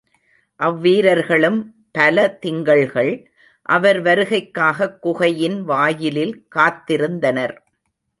அவ் வீரர்களும் பல திங்கள்கள் அவர் வருகைக்காகக் குகையின் வாயிலில் காத்திருந்தனர்.